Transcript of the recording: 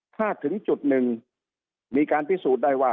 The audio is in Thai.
ถ้าถึงจุดหนึ่งมีการพิสูจน์ได้ว่า